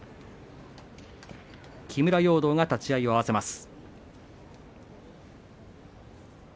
木村容堂が立ち合いを合わせます。